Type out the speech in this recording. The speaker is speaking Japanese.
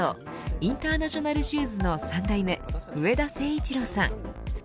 インターナショナルシューズの３代目、上田誠一郎さん。